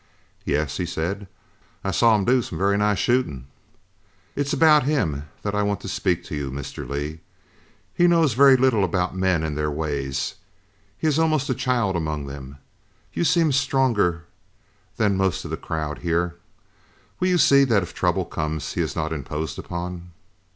"Yes," he said, "I saw him do some very nice shooting." "It's about him that I want to speak to you. Mr. Lee, he knows very little about men and their ways. He is almost a child among them. You seem stronger than most of the crowd here. Will you see that if trouble comes he is not imposed upon?"